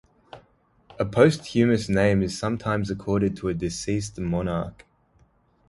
A posthumous name is sometimes accorded to a deceased monarch.